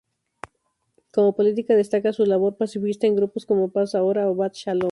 Como política destaca su labor pacifista en grupos como Paz Ahora o Bat Shalom.